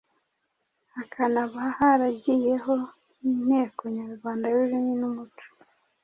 hakanaba haragiyeho n’Inteko Nyarwanda y’Ururimi n’Umuco,